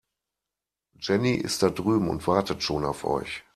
Jenny ist da drüben und wartet schon auf euch.